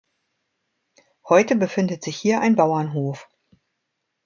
Heute befindet sich hier ein Bauernhof.